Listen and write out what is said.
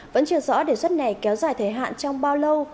vẫn chưa rõ đề xuất này kéo dài thời hạn trong bao lâu